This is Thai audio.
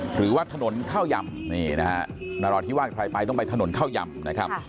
หรือว่าถนนข้าวยำนี่นะฮะนราธิวาสใครไปต้องไปถนนข้าวยำนะครับ